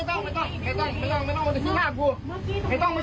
โอเคก็ขอโทษพี่